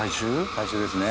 最終ですね。